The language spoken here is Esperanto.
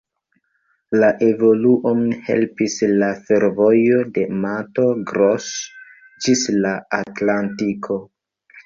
La evoluon helpis la fervojo de Mato Grosso ĝis la Atlantiko.